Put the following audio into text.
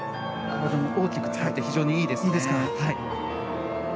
体も大きく使って非常にいいですね。